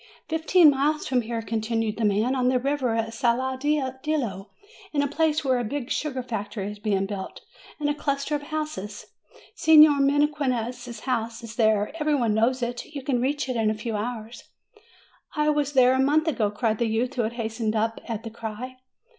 "Fifteen miles from here," continued the man, "on the river at Saladillo, in a place where a big sugar factory is being built, and a cluster of houses. Signor Mequinez's house is there; every one knows it: you can reach it in a few hours." "I was there a month ago," said a youth, who had hastened up at the cry.